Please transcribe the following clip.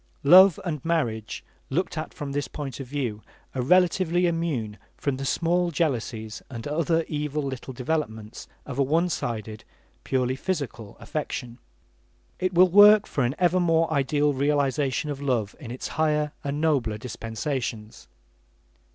Love and marriage looked at from this point of view, are relatively immune from the small jealousies and other evil little developments of a one sided, purely physical affection. It will work for an ever more ideal realization of love in its higher and nobler dispensations.